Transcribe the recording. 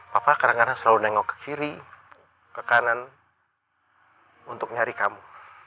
papa kadang kadang selalu nengok ke kiri ke kanan untuk nyari kamu